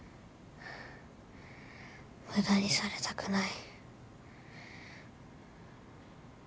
無駄にされたくない。